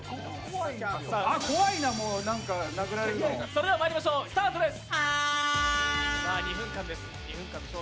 それではまいりましょう、スタートです！